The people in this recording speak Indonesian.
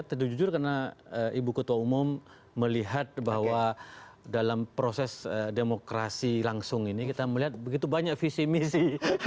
tentu jujur karena ibu ketua umum melihat bahwa dalam proses demokrasi langsung ini kita melihat begitu banyak visi misi